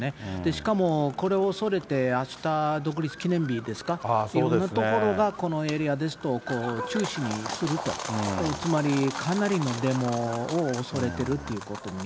しかもこれを恐れてあした独立記念日ですか、いろんなところがこのエリアですと、中止にすると、つまりかなりのデモを恐れているということを。